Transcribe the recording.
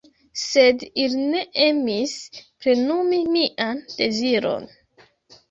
Sed ili ne emis plenumi mian deziron.